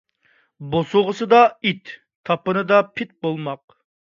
بوسۇغىسىدا ئىت، تاپىنىدا پىت بولماق